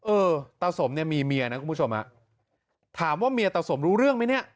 เออตาสมเนี่ยมีเมียนะคุณผู้ชมฮะถามว่าเมียตาสมรู้เรื่องไหมเนี่ย